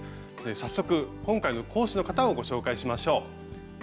早速今回の講師の方をご紹介しましょう。